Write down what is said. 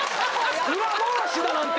裏回しだなんて。